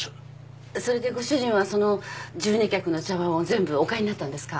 それでご主人はその１２客の茶わんを全部お買いになったんですか？